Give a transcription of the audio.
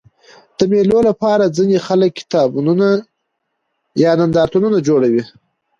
د مېلو له پاره ځيني خلک کتابتونونه یا نندارتونونه جوړوي.